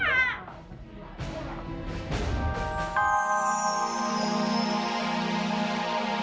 lepasin ini lepasin pak